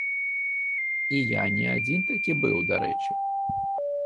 І я не адзін такі быў, дарэчы.